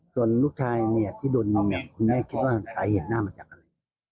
ส่วนลูกชายที่โดนแม่คุณแม่คิดว่าใส่เหตุหน้ามาจากอะไร